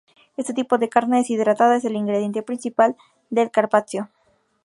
Este tipo de carne deshidratada es el ingrediente principal del carpaccio.